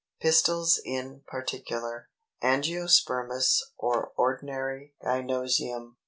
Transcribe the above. PISTILS IN PARTICULAR. § 1. ANGIOSPERMOUS OR ORDINARY GYNŒCIUM.